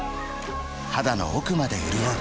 肌の奥まで潤う